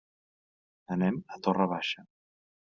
Anem a Torre Baixa.